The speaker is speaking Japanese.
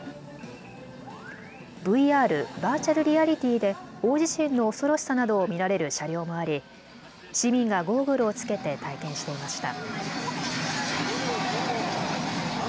ＶＲ・バーチャルリアリティーで大地震の恐ろしさなどを見られる車両もあり市民がゴーグルを着けて体験していました。